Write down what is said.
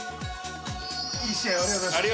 ◆いい試合をありがとうございました。